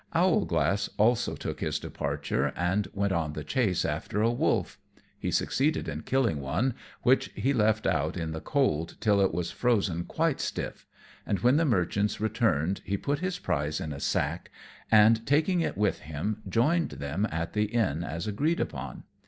Owlglass also took his departure and went on the chase after a wolf. He succeeded in killing one, which he left out in the cold till it was frozen quite stiff, and when the merchants returned he put his prize in a sack, and, taking it with him, joined them at the inn as agreed upon.